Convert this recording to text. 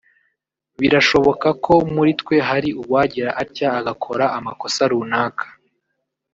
birashoboka ko muri twe hari uwagira atya agakora amakosa runaka